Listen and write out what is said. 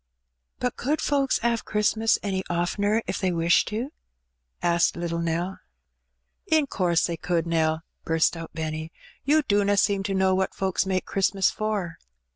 " But could folks 'ave Christmas any oftener if they wished to?'* asked Httle Nell. 56 Her Benny. "In course they could, Nell/^ burst out Benny. "You dunna seem to know what folks make Christmas for.''